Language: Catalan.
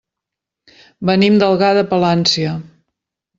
Venim d'Algar de Palància.